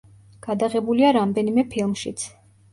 გადაღებულია რამდენიმე ფილმშიც.